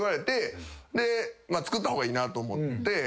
で作った方がいいなと思って。